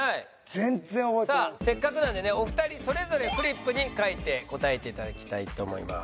さあせっかくなんでねお二人それぞれフリップに書いて答えて頂きたいと思います。